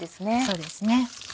そうですね。